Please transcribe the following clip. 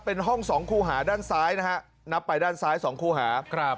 เป็นห้องสองคู่หาด้านซ้ายนะฮะนับไปด้านซ้ายสองคู่หาครับ